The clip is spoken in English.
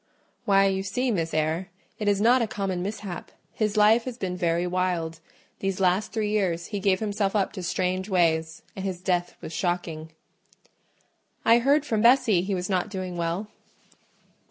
"Why, you see, Miss Eyre, it is not a common mishap: his life has been very wild: these last three years he gave himself up to strange ways, and his death was shocking." "I heard from Bessie he was not doing well."